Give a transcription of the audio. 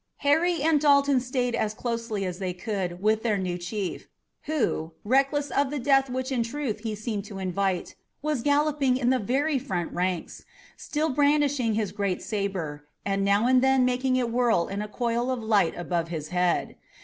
Harry and Dalton stayed as closely as they could with their new chief, who, reckless of the death which in truth he seemed to invite, was galloping in the very front ranks, still brandishing his great sabre, and now and then making it whirl in a coil of light about his head.